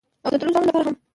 او د تللو زاڼو لپاره هم